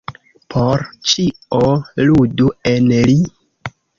Por ĉio ludu en li.